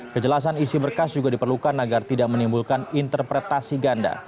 kejelasan isi berkas juga diperlukan agar tidak menimbulkan interpretasi ganda